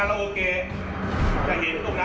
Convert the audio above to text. แล้วผมก็เรียกท่านเลยครับว่า